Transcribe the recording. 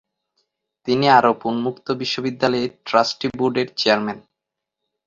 তিনি আরব উন্মুক্ত বিশ্ববিদ্যালয়ের ট্রাস্টি বোর্ডের চেয়ারম্যান।